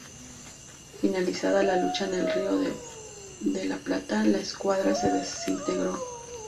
Finalizada la lucha en el Río de la Plata, la escuadra se desintegró.